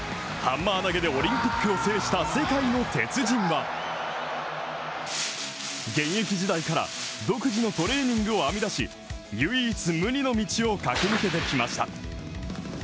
ハンマー投げでオリンピックを制した世界の鉄人は現役時代から独自のトレーニングを編み出し唯一無二の道を駆け抜けてきました。